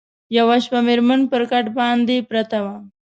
یوه شپه مېرمن پر کټ باندي پرته وه